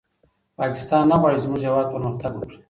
پاکستان نه غواړي چې زموږ هېواد پرمختګ وکړي.